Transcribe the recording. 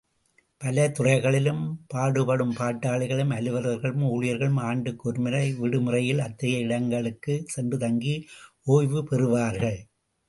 பலதுறைகளிலும் பாடுபடும் பாட்டானிகளும், அலுவலர்களும் ஊழியர்களும் ஆண்டுக்கு ஒருமுறை விடுமுறையில் அத்தகைய இடங்களுக்குச் சென்று தங்கி ஒய்வு பெறுவார்கள்.